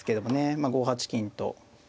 まあ５八金と。